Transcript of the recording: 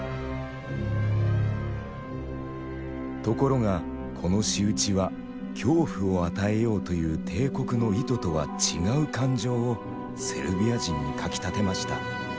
ところがこの仕打ちは「恐怖」を与えようという帝国の意図とは違う感情をセルビア人にかきたてました。